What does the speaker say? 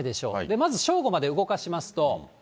まず正午まで動かしますと。